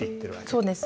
そうです。